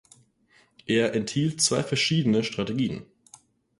Er enthielt zwei verschiedene Strategien.